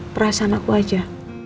perasaan aku aja